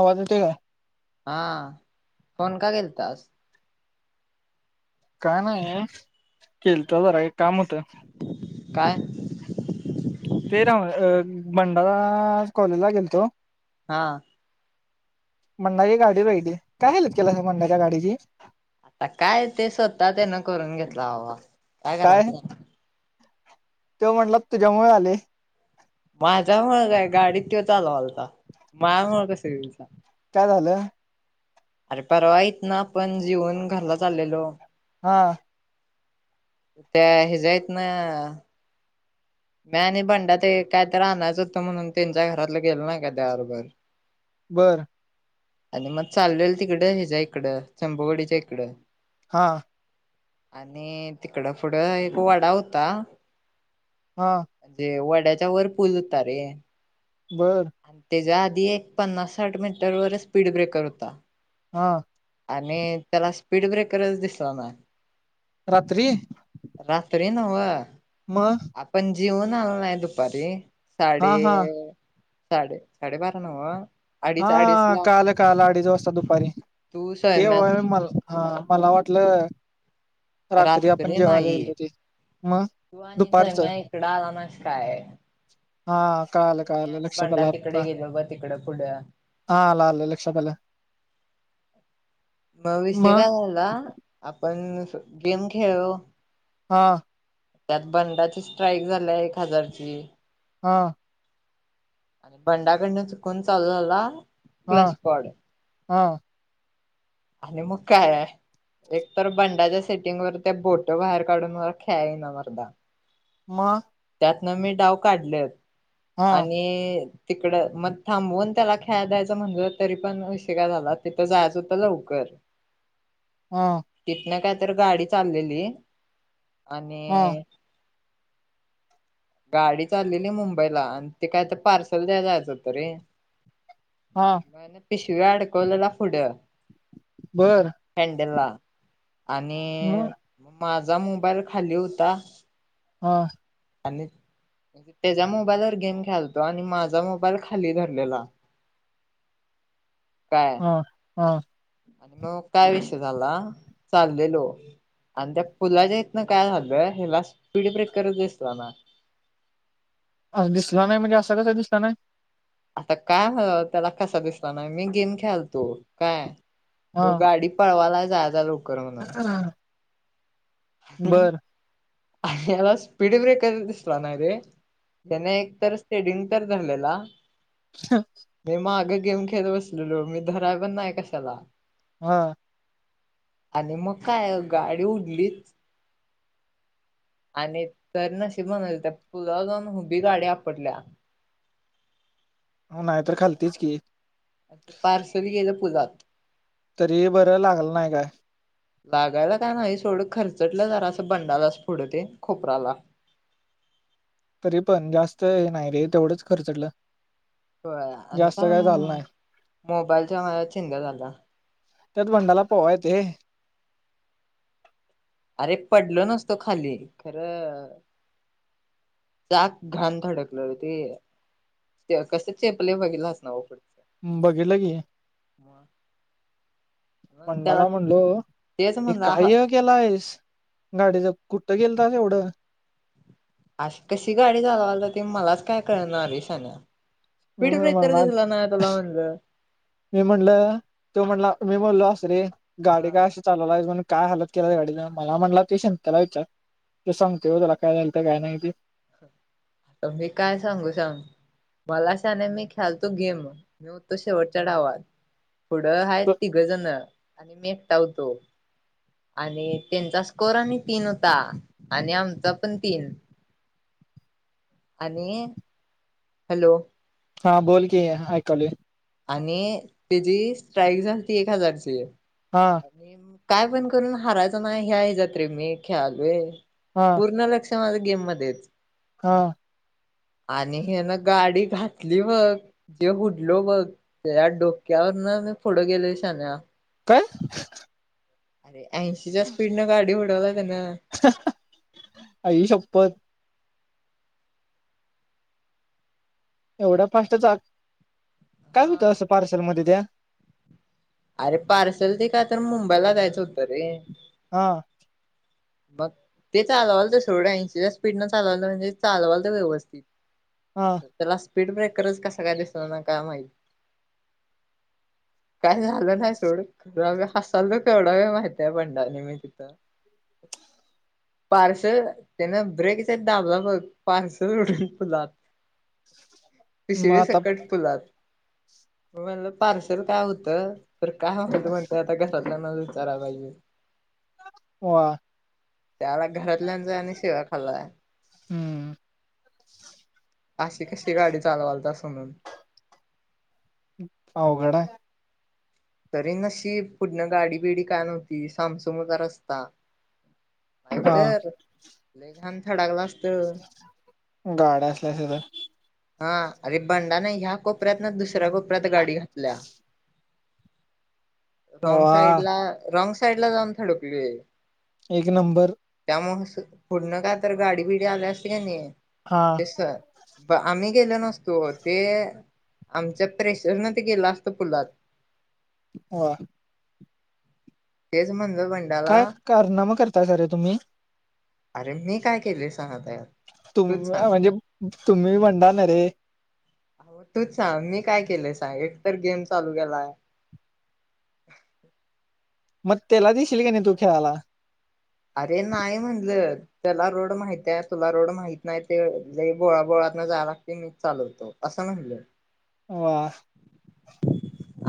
आवाज येतोय का हा फोन का केलतास? काय नाही. केलतो जरा एक काम होतं काय ते राहून अ भंडारा कॉलेजला गेलतो. हा. मंडाची गाडी राहिली काय हेल्प केला मंडाच्या गाडीची रा वा काय करालायस त्यो म्हटला तुझ्यामुळे आलय गाडीत तो चालवालता मायमुळे कस होईल सांग झालंय. अरे परवा इतना आपण जेवण घरला चाललेलो हां. त्या हेिजयत ना मी आणि बंडा ते काय तर आणायच होतं म्हणून त्यांच्या घरातलं गेलो नाही का त्याबरोबर बरं आणि मग चाललेल तिकडं ह्याच्या इकडं चंभवडीच्या इकडं हा आणि तिकडं पुढं एक वडा होता. हा जे व ड्याच्या वर पूल होत रे बर आणि तेच्या क एक पन्नासाठ मीटर वर स्पीड ब्रेकर होता हा आणि त्याला स्पीड ब्रेकरच दिसला ना रात्री. ते नव्ह. मग जेवन आलं नाय दुपारी. साडे हा हा साडे साडेबारा नव्ह. हा अडीच अडीचला काल काल अडीच वाजता दुपारी. तू ते सौम्या व मला हा मला वाटलं आपण रात्री जेवायला नाही गेलतो ते मग तू आणि दुपारचं सैम्या इकड आला नाहीस काय हा कळालं आणि मी कळालं आणि लक्षात बंडा आलं तिकडे आत्ता गेलो ग तिकड पुढं. हा आलं आलं लक्षात आलं. मग विषय काय झाला? पण गेम खेळो. हा. त्यात बंडाची स्ट्राईक झाली एक हजारची. हा. आणि बंडा कडून चुकून चालू झाला. हा क्लाश पाॉड. हा. आणि मग काय आहे एक तर बंडाच्या सेटिंगवर त्या बोट बाहेर काढून मला खेळाय येईना मरदा. मग. त्यात मी डाव काढल. हा आणि तिकडं मग थांबवून त्याला खेळाय द्यायचं म्हणलं तरी पण विषय काय झाला. तिथं जायचं होत लवकर. हा कितना का तर गाडी चाललेली. आणि. हा गाडी चाललेली मुंबईला आणि ते काय तर पार्सल द्याय जायचं होतं रे हा. मग पिशवी अडकवलेला पुढं. बर हँडलला. आणि मग माझ माझा मोबाईल खाली होता. हा. आणि त्याच्या मोबाईलवर गेम खेळालतो आणि माझा मोबाईल खाली धरलेला. काय? हा आणि मग काय विषय झाला चाललेलो आणि त्या पुलाच्या इथनं काय झालं ह्याला स्पीड ब्रेकरच दिसला ना अस दिसला नाही म्हणजे असं कसं दिसला नाही आता काय हो त्याला कसा दिसला नाही मी गेम खेळालतो काय तो गाडी पळवाला जा ल हा ते बर अरे याला स्पीड ब्रेकच दिसला नाय रे जने एकतर ते स्ट्रेडिंग तर धरलेला नाही मी मागचं गेम खेळत बसलेलो मी धराय पण नाही कशाला हा आणि मग काय गाडी उडलीच आणि तर नशीब म्हणाल त्या पुलाला जाऊन उभी गाडी आपटल्या हो नाही तर खालतीच की ते पार्सल गेलं पुजात तरी बरं लागल नाही काय लागायला का नाही सोडं खर्चटलं जरा असं बंडालाच पुड ते खोपराला तरी पण जास्त हे नाही रे तेवढंच खर्चटलं हो आणि जास्त काय झालं नाही मोबाईलच्या माझ्या चिंध्या झाल्या त्यात बंडाला पोवाय येतय अरे पडलो नसतो खाली खरं चाक घाण धडकल ते कस चेपले बघितलास नव्हे अस [inaudible] त्याला बंडाला म्हणलो तेच हे म्हणला हा काय हे केलायस गाडीचा कुठ तो गेल तर एवढं अशी कशी गाडी चालवाय ते मलाच काय कळणा झालय ते शहाणं मी म्हणला म्हणलं मी म्हणल त्यो म्हणला मी बोललो असतो रे गाडी काय हा असे चालवला आहेस काय हलत केला त्या गाडीन मला म्हणला ते संत्याला त्याला विचार त सांगते त्याला काय झालत काय नाही ते मी काय सांगू सांग मला शहाण्या मी खेलतो गेम मी होतो शेवटच्या डावात पुढं हाय तिघं जण आणि मी एकटा होतो आणि त्यांचा स्कोर आणि तीन होता आणि आमचा पण तीन आणि हॅलो हा बोल की ऐकालोय आणि त्याची स्ट्राईक झालती एक हजारची हा आणि काय पण करून हारायचं नाही ह्या ह जते मी खेळालय हा पूर्ण लक्ष् माझ गेम मध्ये हा आणि हे ना गाडी घातली बग जे उडलो बघ या डोक्यावरन मी पुढं गेलो शहाण्या काय अरे ऐंशीच्या स्पीडनं गाडी का आई शप्पत एवढा फास्टच आग काय होत हा असं पार्सल मध्ये त्या अरे पार्सल ते का तर मुंबईला जायचं होतं रे हा ते चालवता सोड ऐंशी च्या स्पीड न चालवत होता चालवायला आता व्यवस्थित हा खरं त्याला स्पीड ब्रेकरच कसा काय दिसत ना काय माहिित काय झालं नाही सोड हसायलवढा वेळ माहिती आहे पंडानी मी तिथं पार्सल त्यान ब्रेकचा दाबला ब पार्सल उडूनलात मग पिशिवी आता सकट पुुलात मला पार्सेल काय होतं. तर काय त म्हणतेय आता कस न विचारा पाहिजे वा. त्याला घरात, लान जायन-सवा खालाय. हम्म अशी कशी गाडी चालवाल त अस म्हणून. अवघड हाय, तरी नशी पुढण गाडी बिडी काय नव्हती साम-सुम होता रस्ता. हा [unintelligible] ह थडा-कला. [unintelligible] गाड्या असल्यास तर. हा अरे बंडाने ह्या कोपऱ्यात ना दुसऱ्या कोपऱ्यात गाडी घातल्या. रॉंग साईड वा ला रॉंग सा. साईड ला जाऊन थडकली. एक नंबर. मग पुडण का तर गाडी बिडी आल्या असते का नाही. हा एस, आम्ही गेलो नसतो ते आमच्या प्रेशर न ते गेलं असतं पुलात. वा, तेज म्हण काय, कारनामा कर. त्या सारे तुम्ही. अरे मी काय केलेस. [unintelligible] हो तूच सांग, मी काय केलंय सांग एकतर गेम चालू केलाय. मग त्याला दिशील का नाही तू खेळायला. अरे नाही म्हणलं त्याला रोड माहित आहे, तुला रोड माहित नाही, ते बोळा बोळात ना जाय लागते मी चालवतो असं म्हणलं. वा,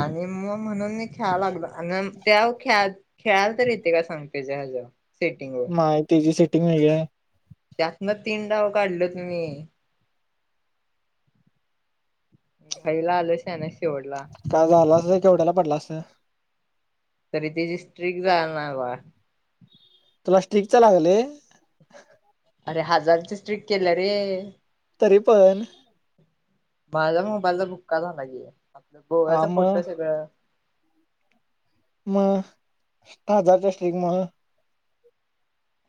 आणि मग म्हणून मी खेळा लागलो, आणि ते खेळा, खेळाला तर येते का सांगते ज हजे. नाय तिची तुम्ही जा, त्यात न तीन डाव काढलेत तुम्ही. घाईला आलश सानस. [unintelligible] का झाला केवढ्याला पडला असं, तरी त्याची स्ट्रिक्ट झा ना बा. तुला स्टिक च लावलाय. अरे हजारची स्ट्रिक केलं रे. अरे पण. माझा मोबाईलचा बुक्का झा की. आपलं गोव्याच हा मग फोटो सगळं. मग हजारच्या स्टिक म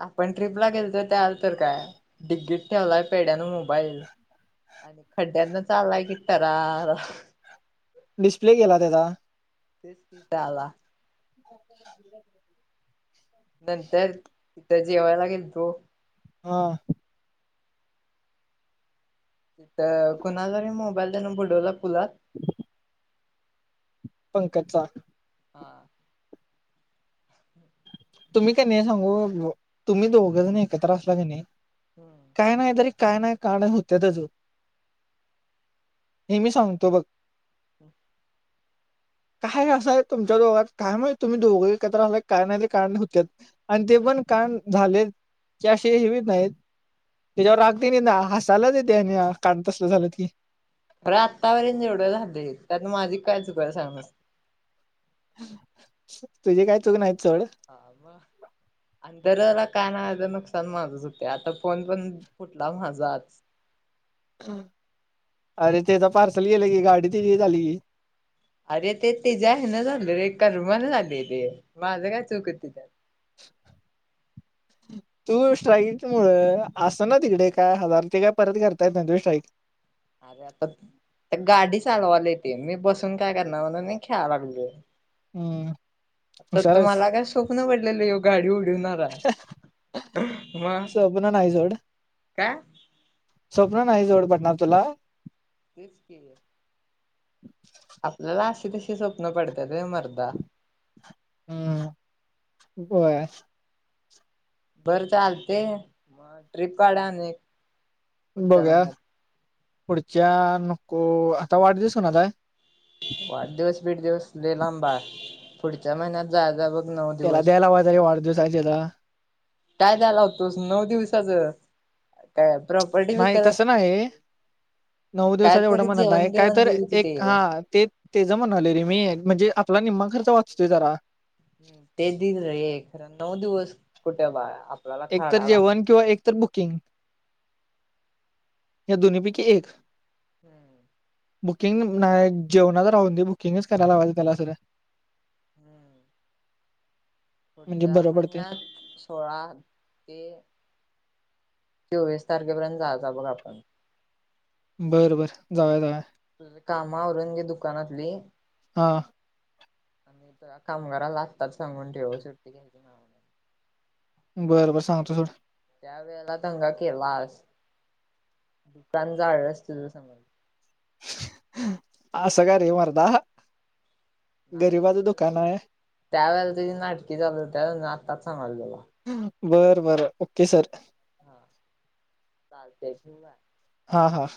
आपण ट्रिपला गेलोतो, तर त्या आल तर काय डिग्गीट ठेवलाय पेड्यान मोबाईल आणि खड्ड्यांना चाललाय की ठर डिस्प्ले गेला त्याचा [unintelligible] नंतर तिथं जेवाया गेलतो हा कुणाला मोबाईल देण बुडवला. फुला पंकजचा हा तुम्ही का नाही सांगू तुम्ही दोघंजण एकत्र असला की नाही, काय नाही तरी काय नाही का नाही होत्या त्याच हे मी सांगतो बघ, हम् काय असंय तुमच्या दोघत काय माहित तुम्ही दोघं एकत्रलाय काय नाही कांड हुत्यात आणि ते पण कांड झाले त्याशी हेच नाहीत त्याच्यावर रागते ना हसायलाच येते आणि काड तसलं झालं की बरं आत्तापर्यंत जेवढं झालं त्यात माझी काय चुक बरं सांग अस तुझे काय चुक नाही. चढ हा म अंतर रा काय नुकसान माझच होत आता फोन पण फुटला माझा आज अरे तेचा पार्सल गेल की गाडी त्याची हे झाली अरे ते ते जे आहे ना झालेलय कर्माने झालंलय ते माझं काय चुक तिथं. तू स्ट्राईक मूळ अस ना तिकडे काय हजार ते काय परत करता येत ना तू स्ट्राईक अरे आता गाडी चालवाला येते मी बसून काय करणार म्हणून मी खेळा लागलोय. हम्म तर हुशार आहेस तुम्हाला काय स्वप्न पडलेलं योग गाडी ऊल टणार आहे मग स्वप्न नाही जोड काय. स्वप्न नाही जोड पडणार तुला तेच केलं. आपल्याला अस तशी स्वप्न पडतात होय मर्दा हम्म होय. बरं चालते ट्रीप काढा आणि पुढच्या बघूया महिन्यात. पुढच्या नको आता वाढ दिवस कोणाचा आहे. वाढ दिवस बीड दिवस लई लांब आहे पुढच्या महिन्यात जाय जा बघ नऊ दिवस [unintelligible] काय द्यायला होतोस नऊ दिवसाच काय प्रॉपर्टी नाही विकायला तसं नाही नऊ काय दिवसात एवढं तरी म्हणत नाही जेवण काय बिवण तर देईल कि ते एक हा ते तेच जमून आलं रे मी म्हणजे आपला निम्मा खर्च वाच तो जरा. ह ते दिल र खरं नऊ दिवस कुठे बाळा एक तर जेवण किंवा एक तर बु किंग या दोन्ही पैकी एक. हम्म बुकिंग नाही जेवणाच राहून दे बुकिंगच करायला लावायचं त्याला सध्या. हम्म म्हणजे पुढच्या बरं पडते महिन्यात सोळा ते चोवीस तारखेपर्यंत जायच बघ आपण. बरं बरं जाऊया जाऊया. तुझी काम आवरून घे दुकानातली हा आणि तुझ्या कामगाराला आत्ताच सांगून ठेव सुट्टी घ्यायची नाय. बर, बर सांगतो थोडं. त्या वेळेला दंगा केलास दुकान झाळस तझ समज असं का रे मरदा? त्यावेेळेला तुझी नाटकी चालत्या त्याच सांगल हम्म बरं बरं, ओके सर. हा चालतय थिऊवा. हा हा